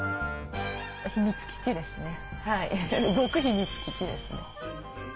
秘密基地ですね。